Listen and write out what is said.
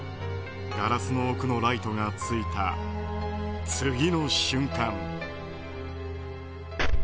ガラスの奥のライトがついた次の瞬間。